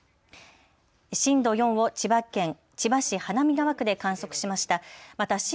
震度４を千葉県千葉市花見川区で観測しました。